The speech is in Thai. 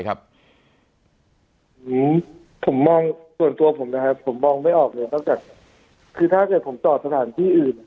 ผมมองส่วนตัวผมนะครับผมมองไม่ออกเลยนอกจากคือถ้าเกิดผมจอดสถานที่อื่น